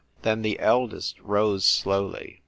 Then the eldest rose slowly.